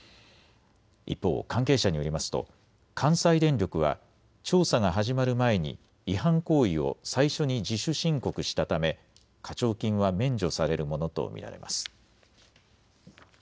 一方、関係者によりますと関西電力は調査が始まる前に違反行為を最初に自主申告したため課徴金は免除されるものと見られます。